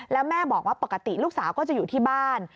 แล้วแม่บอกว่าปกติลูกสาวก็จะอยู่ที่บ้าน